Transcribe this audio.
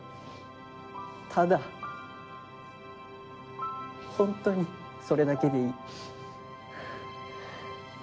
ただホントにそれだけでいい。